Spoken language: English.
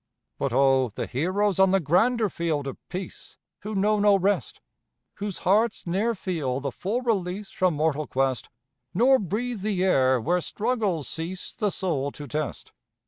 But oh, the heroes on the grander field of peace, Who know no rest! Whose hearts ne'er feel the full release From mortal quest, Nor breathe the air where struggles cease The soul to test.